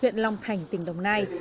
huyện long thành tỉnh đồng nai